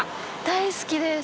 大好きです！